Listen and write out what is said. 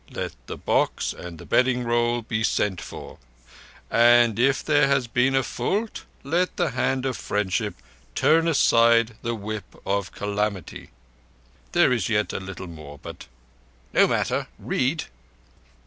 Let the box and the bedding roll be sent for; and if there has been a fault, let the Hand of Friendship turn aside the Whip of Calamity._' There is yet a little more, but—" "No matter, read."